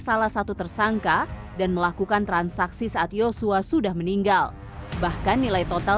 salah satu tersangka dan melakukan transaksi saat yosua sudah meninggal bahkan nilai total